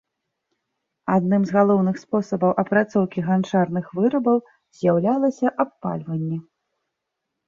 Адным з галоўных спосабаў апрацоўкі ганчарных вырабаў з'яўлялася абпальванне.